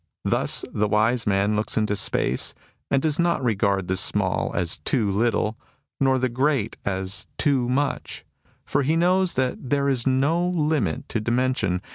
Thus, the wise man looks into space, and does not regard the small as too little, nor the great as too much ; for he knows that there is no limit to dimension.